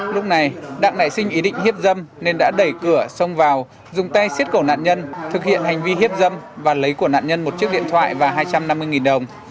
lúc này đặng nảy sinh ý định hiếp dâm nên đã đẩy cửa xông vào dùng tay xiết cổ nạn nhân thực hiện hành vi hiếp dâm và lấy của nạn nhân một chiếc điện thoại và hai trăm năm mươi đồng